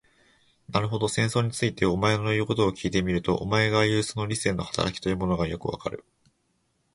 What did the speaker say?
なるほど、戦争について、お前の言うことを聞いてみると、お前がいう、その理性の働きというものもよくわかる。